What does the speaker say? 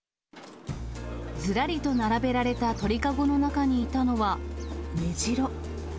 ずらりと並べられた鳥籠の中にいたのは、メジロ。